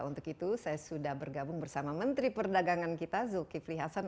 untuk itu saya sudah bergabung bersama menteri perdagangan kita zulkifli hasan